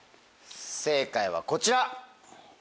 正解はこちら。